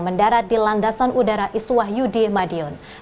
mendarat di landasan udara iswah yudi madiun